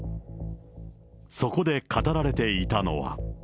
そこで語られていたのは。